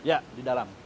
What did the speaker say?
ya di dalam